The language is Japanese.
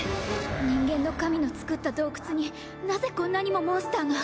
人間の神の作った洞窟になぜこんなにもモンスターが？